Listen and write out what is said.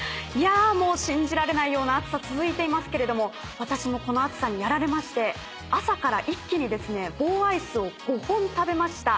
もう信じられないような暑さ続いていますけれども私もこの暑さにやられまして朝から一気にですね棒アイスを５本食べました。